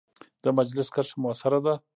د مجلس کرښه مؤثره ده.